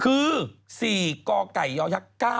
คือ๔กกย๙๙๗๘